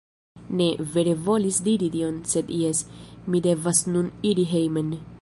Ne, vere volis diri tion sed jes, mi devas nun iri hejmen